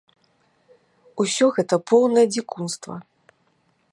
Усё гэта поўнае дзікунства.